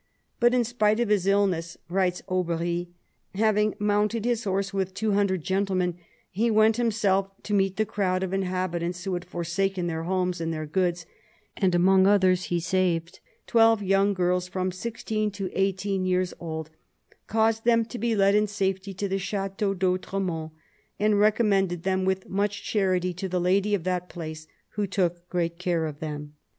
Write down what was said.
But in spite of his illness," writes Aubery, "having mounted his horse with two hundred gentlemen, he went himself to meet the crowd of inhabitants who had forsaken their homes and their goods ; and among others he saved twelve young girls from sixteen to eighteen years old, caused them to be led in safety to the Chateau d'Autremont, and recommended them with much charity to the Lady of that place, who took great care of them.